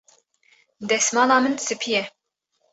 Destmala min spî ye.